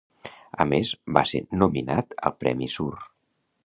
A més, va ser nominat al premi Sur.